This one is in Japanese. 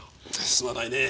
すまないねぇ。